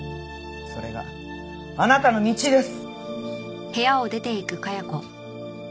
それがあなたの道です！